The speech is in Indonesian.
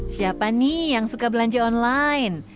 siapa nih yang suka belanja online